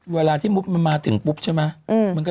อย่าว่าที่ปุ๊บมาจงมา